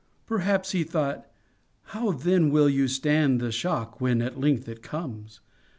Perhaps he thought: How then will you stand the shock when at length it comes?